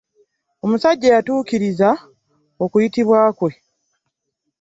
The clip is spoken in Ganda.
Omusajja yatuukiriza okuyitibwa kwe.